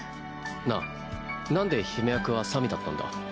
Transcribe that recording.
なあなんで姫役はさみだったんだ？